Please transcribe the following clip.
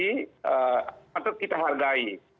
jadi patut kita hargai